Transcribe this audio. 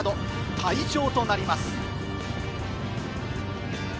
退場となります。